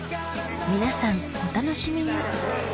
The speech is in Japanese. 皆さんお楽しみに！